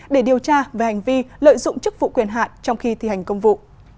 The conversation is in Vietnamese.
để điều tra về hành vi lợi dụng chức vụ quyền hạn trong khi thi hành công vụ